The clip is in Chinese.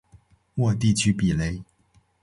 沃地区比雷。